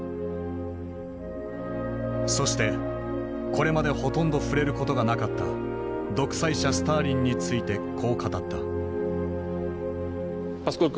そしてこれまでほとんど触れることがなかった独裁者スターリンについてこう語った。